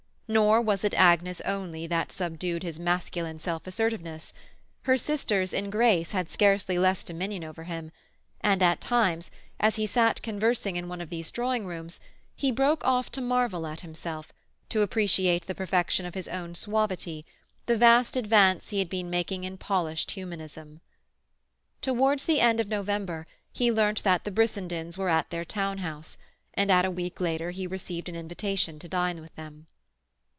Nor was it Agnes only that subdued his masculine self assertiveness; her sisters in grace had scarcely less dominion over him; and at times, as he sat conversing in one of these drawing rooms, he broke off to marvel at himself, to appreciate the perfection of his own suavity, the vast advance he had been making in polished humanism. Towards the end of November he learnt that the Brissendens were at their town house, and a week later he received an invitation to dine with them.